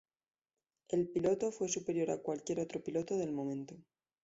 El piloto fue superior a cualquier otro piloto del momento.